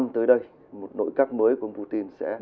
tới đây một nội các mới của ông putin